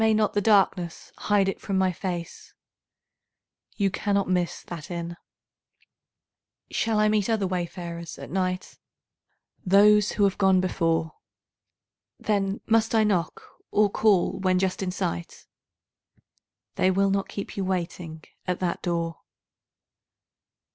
May not the darkness hide it from my face? You cannot miss that inn. Shall I meet other wayfarers at night? Those who have gone before. Then must I knock, or call when just in sight? They will not keep you standing at that door.